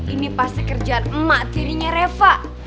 ini pasti kerjaan emak tirinya reva